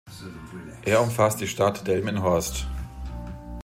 Er umfasst die Stadt Delmenhorst.